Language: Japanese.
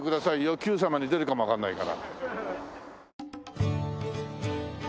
『Ｑさま！！』に出るかもわかんないから。